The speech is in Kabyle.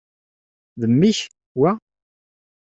D mmi-k, wa?